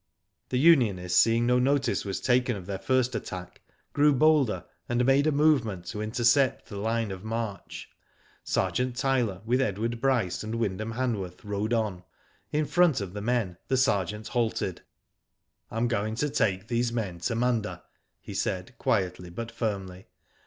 The unionists, seeing no notice was taken of their first attack, grew bolder, and made a move ment to intercept the line of march. Sergeant Tyler, with Edward Bryce and Wynd ham Hanworth, rode on. In front of the men the sergeant halted. "I am going to take these men to Munda," he said, quietly, but firmly.